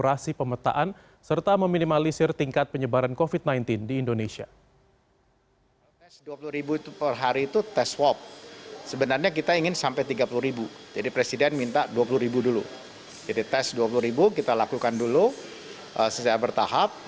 jadi tes dua puluh ribu kita lakukan dulu secara bertahap